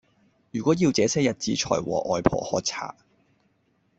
如果要這些日子才和外婆喝茶